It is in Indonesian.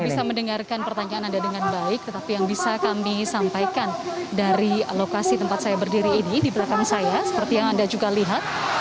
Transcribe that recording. saya bisa mendengarkan pertanyaan anda dengan baik tetapi yang bisa kami sampaikan dari lokasi tempat saya berdiri ini di belakang saya seperti yang anda juga lihat